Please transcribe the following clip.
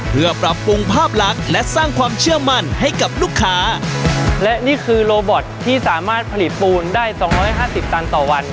เพื่อปรับปรุงภาพลักษณ์และสร้างความเชื่อมั่นให้กับลูกค้าและนี่คือโลบอทที่สามารถผลิตปูนได้สองร้อยห้าสิบตันต่อวัน